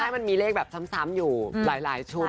มีควรมีเหล็กแบบสำสามอยู่ทุกชุด